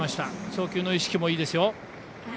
送球の意識もいいですよ。